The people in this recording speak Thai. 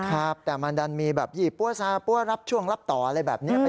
ครับแต่มันดันมีแบบยี่ปั้วซาปั้วรับช่วงรับต่ออะไรแบบนี้